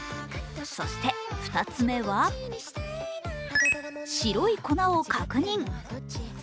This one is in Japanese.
そして、２つ目は白い粉を確認。